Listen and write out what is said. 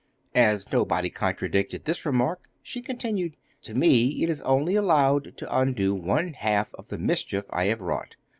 As nobody contradicted this remark, she continued: 'To me it is only allowed to undo one half of the mischief I have wrought.